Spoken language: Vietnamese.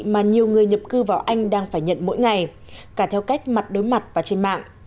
mà nhiều người nhập cư vào anh đang phải nhận mỗi ngày cả theo cách mặt đối mặt và trên mạng